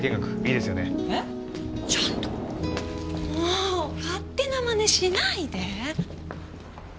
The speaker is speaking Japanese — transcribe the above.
もう勝手な真似しないで！